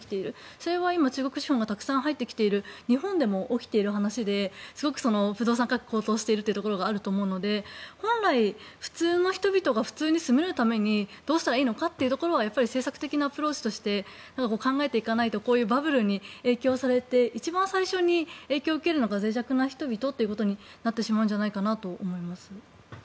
それは今、中国資本がたくさん入ってきている日本でも起きている話で不動産価格が高騰しているところがあると思うので本来、普通の人々が普通に住むためにどうしたらいいのかというところは政策的なアプローチとして考えていかないとこういうバブルに影響されて一番最初に影響を受けるのがぜい弱な人々ということになってしまうんじゃないかなと思います。